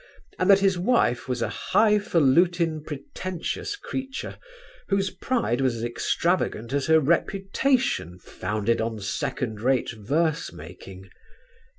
and that his wife was a highfalutin' pretentious creature whose pride was as extravagant as her reputation founded on second rate verse making....